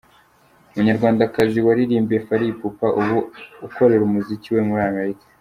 Umunyarwandakazi waririmbiye Fally Ipupa ubu ukorera umuziki we muri Amerika.